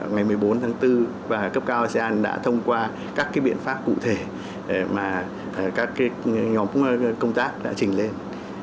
ngày một mươi bốn tháng bốn và cấp cao asean đã thông qua các biện pháp cụ thể mà các nhóm công tác đã trình lên